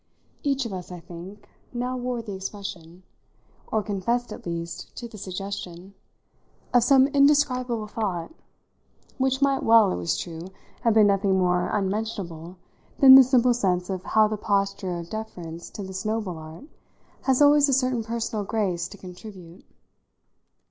Each of us, I think, now wore the expression or confessed at least to the suggestion of some indescribable thought; which might well, it was true, have been nothing more unmentionable than the simple sense of how the posture of deference to this noble art has always a certain personal grace to contribute.